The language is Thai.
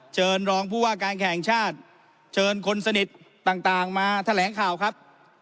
เชิญรองผู้ว่าการแข่งชาติเชิญคนสนิทต่างมาแถลงข่าวครับ